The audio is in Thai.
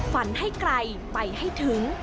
ฝันให้ไกลไปให้ถึง